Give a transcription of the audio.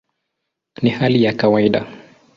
Ni hali ya kawaida".